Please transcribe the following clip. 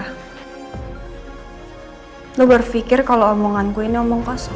lu berpikir kalau omonganku ini omong kosong